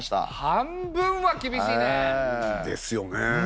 半分は厳しいね！ですよね。